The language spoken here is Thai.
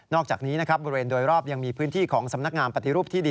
อกจากนี้นะครับบริเวณโดยรอบยังมีพื้นที่ของสำนักงานปฏิรูปที่ดี